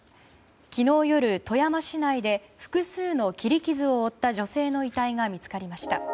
昨日夜、富山市内で複数の切り傷を負った女性の遺体が見つかりました。